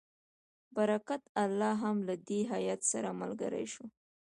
برکت الله هم له دې هیات سره ملګری شو.